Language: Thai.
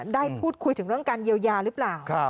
ได้พูดคุยถึงเรื่องการเยียวยาหรือเปล่า